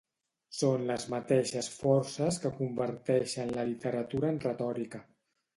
Són les mateixes forces que converteixen la literatura en retòrica.